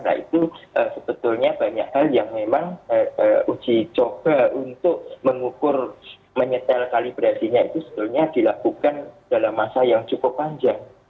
nah itu sebetulnya banyak hal yang memang uji coba untuk mengukur menyetel kalibrasinya itu sebetulnya dilakukan dalam masa yang cukup panjang